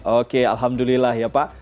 oke alhamdulillah ya pak